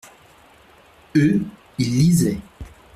Eux, ils lisaient.